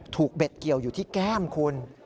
เบ็ดเกี่ยวอยู่ที่แก้มคุณ